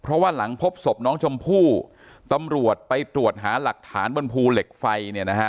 เพราะว่าหลังพบศพน้องชมพู่ตำรวจไปตรวจหาหลักฐานบนภูเหล็กไฟเนี่ยนะฮะ